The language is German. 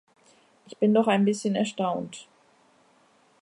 Ich bin doch ein bisschen erstaunt.